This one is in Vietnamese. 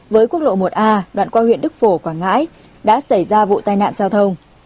với quốc lộ một a đoạn qua huyện đức phổ quảng ngãi đã xảy ra vụ tai nạn giao thông